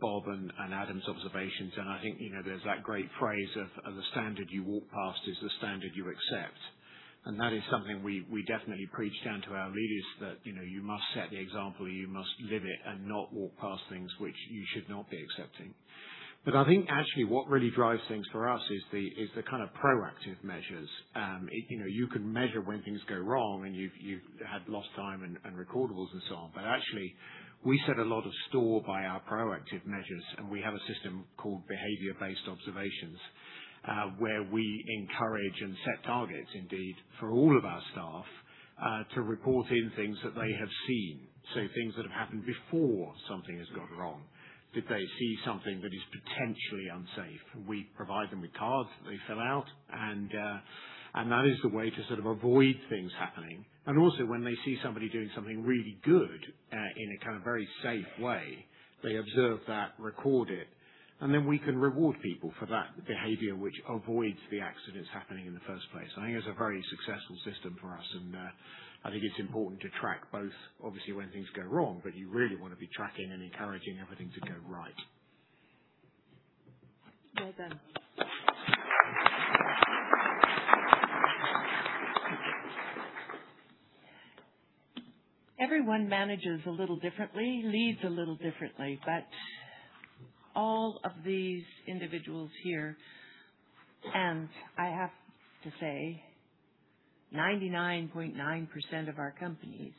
Bob and Adam's observations. I think, you know, there's that great phrase of the standard you walk past is the standard you accept. That is something we definitely preach down to our leaders that, you know, you must set the example, you must live it and not walk past things which you should not be accepting. I think actually what really drives things for us is the kinda proactive measures. You know, you can measure when things go wrong and you've had lost time and recordables and so on. Actually, we set a lot of store by our proactive measures, and we have a system called Behavior-Based Observations, where we encourage and set targets indeed, for all of our staff, to report in things that they have seen, so things that have happened before something has gone wrong. Did they see something that is potentially unsafe? We provide them with cards that they fill out and that is the way to sort of avoid things happening. Also, when they see somebody doing something really good, in a kind of very safe way, they observe that, record it, and then we can reward people for that behavior which avoids the accidents happening in the first place. I think it's a very successful system for us, and I think it's important to track both, obviously, when things go wrong, but you really wanna be tracking and encouraging everything to go right. Well done. Everyone manages a little differently, leads a little differently. All of these individuals here, and I have to say 99.9% of our companies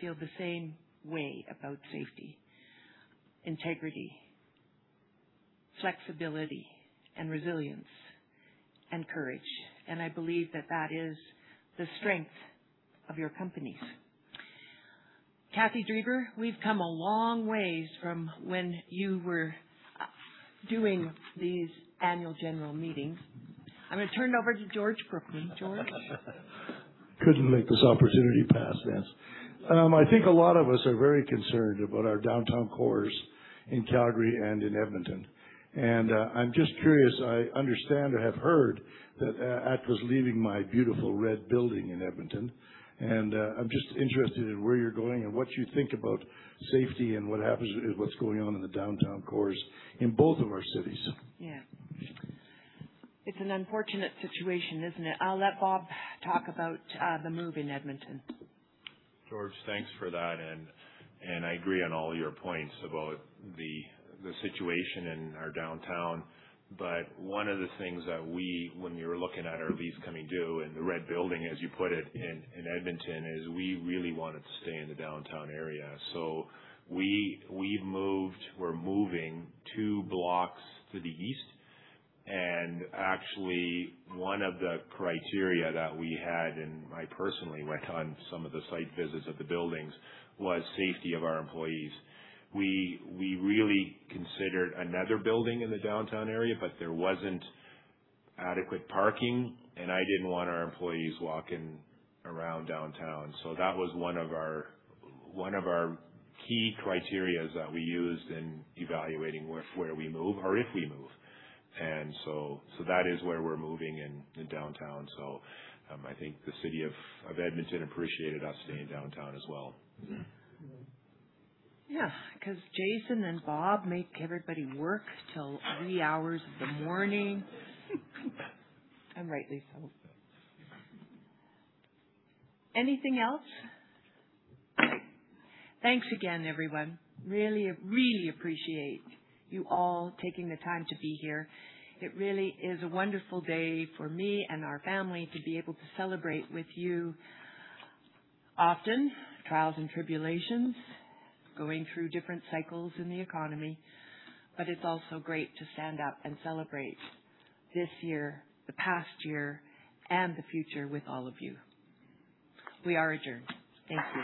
feel the same way about safety, integrity, flexibility, resilience, and courage. I believe that that is the strength of your companies. Kathy Drever, we've come a long ways from when you were doing these annual general meetings. I'm gonna turn it over to George Brookman. George? Couldn't let this opportunity pass, Nancy. I think a lot of us are very concerned about our downtown cores in Calgary and in Edmonton. I'm just curious. I understand or have heard that ATCO's leaving my beautiful red building in Edmonton, I'm just interested in where you're going and what you think about safety and what's going on in the downtown cores in both of our cities. Yeah. It's an unfortunate situation, isn't it? I'll let Bob talk about the move in Edmonton. George, thanks for that. I agree on all your points about the situation in our downtown. One of the things that we, when we were looking at our lease coming due in the red building, as you put it, in Edmonton, is we really wanted to stay in the downtown area. We've moved. We're moving two blocks to the east. Actually, one of the criteria that we had, and I personally went on some of the site visits of the buildings, was safety of our employees. We really considered another building in the downtown area, but there wasn't adequate parking, and I didn't want our employees walking around downtown. That was one of our key criteria that we used in evaluating where we move or if we move. So that is where we're moving in downtown. I think the City of Edmonton appreciated us staying downtown as well. Yeah, because Jason and Bob make everybody work till three hours of the morning. Rightly so. Anything else? Thanks again, everyone. Really appreciate you all taking the time to be here. It really is a wonderful day for me and our family to be able to celebrate with you. Often, trials and tribulations, going through different cycles in the economy. It's also great to stand up and celebrate this year, the past year, and the future with all of you. We are adjourned. Thank you.